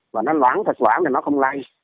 và nó loáng thật quả thì nó không lây